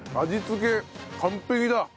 味付け完璧だ。